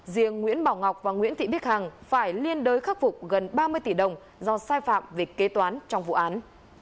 riêng nguyễn bảo ngọc và nguyễn thị bích hằng phải liên đối khắc phục gần ba mươi tỷ đồng do sai phạm về kế toán trong vụ án